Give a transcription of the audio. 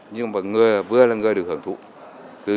nhưng vừa là người được hưởng thụ